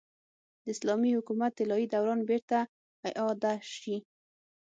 د اسلامي حکومت طلايي دوران بېرته اعاده شي.